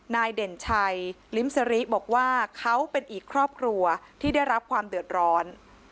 เด่นชัยลิ้มสริบอกว่าเขาเป็นอีกครอบครัวที่ได้รับความเดือดร้อน